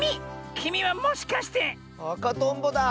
きみはもしかして⁉あかとんぼだ！